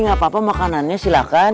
gak apa apa makanannya silahkan